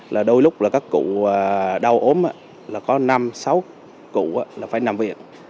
là đôi lúc là các cụ đau ốm là có năm sáu cụ là phải nằm viện